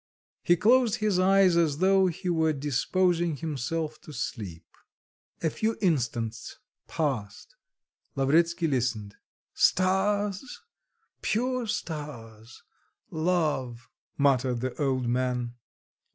He closed his eyes as though he were disposing himself to sleep. A few instants passed... Lavretsky listened... "'Stars, pure stars, love,'" muttered the old man.